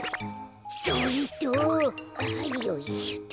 それとああよいしょと。